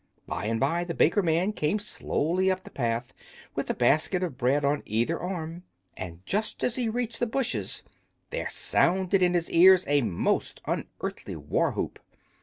By and by the baker man came slowly up the path with a basket of bread on either arm; and just as he reached the bushes there sounded in his ears a most unearthly war whoop.